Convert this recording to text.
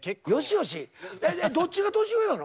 大体どっちが年上なの？